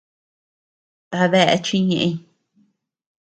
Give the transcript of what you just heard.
¿A dae chiñeʼeñ?